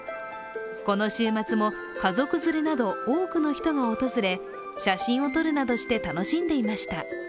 この週末も家族連れなど多くの人が訪れ写真を撮るなどして楽しんでいました。